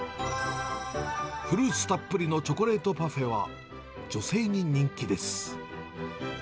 フルーツたっぷりのチョコレートパフェは、女性に人気です。